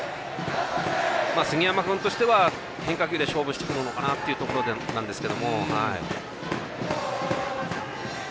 杉山君としては変化球で勝負してくるのかなというところなんですが。